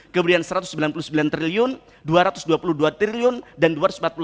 kemudian rp satu ratus sembilan puluh sembilan triliun rp dua ratus dua puluh dua triliun dan dua ratus empat puluh lima